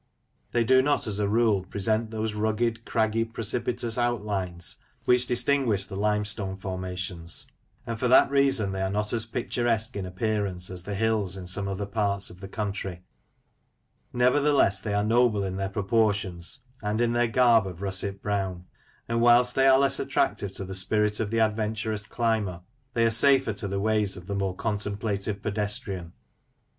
They do not, as a rule, present those rugged, craggy, precipitous outlines which distinguish the limestone formations, and for that reason they are not as picturesque in appearance as the hills in some other parts of the country. Nevertheless, they are noble in their proportions, and in their garb of russet brown; and, whilst they are less attractive to the spirit of the adventurous climber, they are safer to the ways of the more contemplative pedestrian.